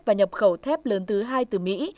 và nhập khẩu thép lớn thứ hai từ mỹ